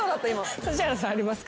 指原さんありますか？